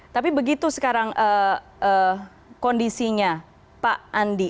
tapi begitu sekarang kondisinya pak andi